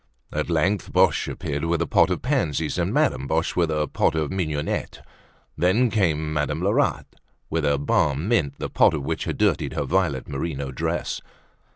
At length Boche appeared with a pot of pansies and Madame Boche with a pot of mignonette; then came Madame Lerat with a balm mint, the pot of which had dirtied her violet merino dress.